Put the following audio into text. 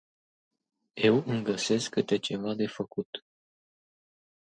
Eu îmi găsesc câte ceva de făcut.